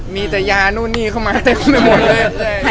มีแต่ยานู้นนี้ขัมมาแต่กลมไม่หมดเลย